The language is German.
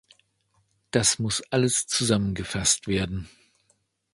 Das muss alles zusammengefasst werden.